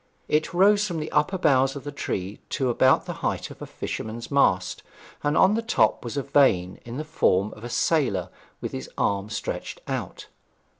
It rose from the upper boughs of the tree to about the height of a fisherman's mast, and on the top was a vane in the form of a sailor with his arm stretched out.